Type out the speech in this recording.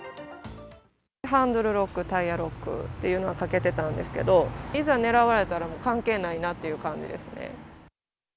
ハンドルロック、タイヤロックっていうのをかけてたんですけど、いざ狙われたらもう関係ないなっていう感じですね。